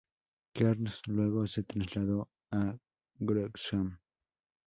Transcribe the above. Kearns luego se trasladó a Wrexham.